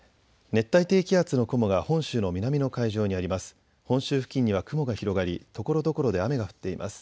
熱帯低気圧の雲が本州の南の海上にあります。